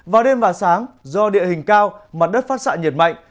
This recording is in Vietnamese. vào đêm và sáng do địa hình cao mặt đất phát xạ nhiệt mạnh